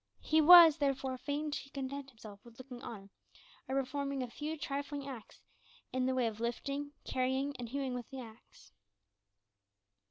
He was, therefore, fain to content himself with looking on, or performing a few trifling acts in the way of lifting, carrying, and hewing with the axe.